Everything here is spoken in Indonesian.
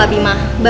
aku bisa mencoba